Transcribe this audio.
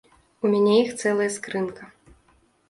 У мяне іх цэлая скрынка.